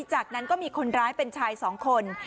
จากนั้นก็มีคนร้ายเป็นชายสองคน